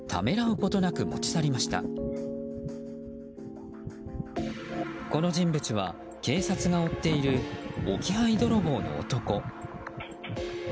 この人物は警察が追っている置き配泥棒の男。